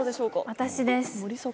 私です。